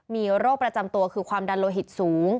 มีโรคประจำตัวคือความดันโลหิตสูง